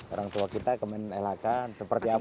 orang tua kita kemen lhk seperti apa